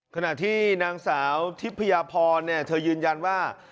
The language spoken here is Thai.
ขณะที่นางสาวทิพยาพรเธอยืนยันว่า